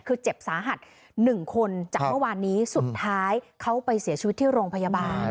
คือเจ็บสาหัส๑คนจากเมื่อวานนี้สุดท้ายเขาไปเสียชีวิตที่โรงพยาบาล